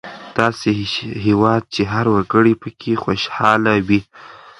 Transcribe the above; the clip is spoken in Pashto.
داسې هېواد چې هر وګړی پکې خوشحاله وي.